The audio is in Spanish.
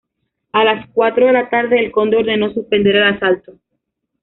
A las cuatro de la tarde el conde ordenó suspender el asalto.